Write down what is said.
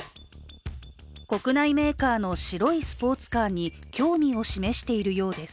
国内メーカーの白いスポーツカーに興味を示しているようです。